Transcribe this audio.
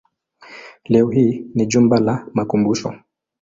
Leo hii ni jumba la makumbusho.